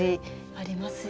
あります。